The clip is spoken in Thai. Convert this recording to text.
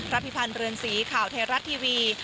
พิพันธ์เรือนสีข่าวไทยรัฐทีวี